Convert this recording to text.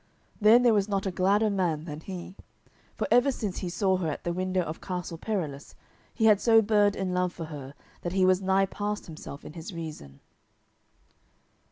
Then there was not a gladder man than he, for ever since he saw her at the window of Castle Perilous he had so burned in love for her that he was nigh past himself in his reason.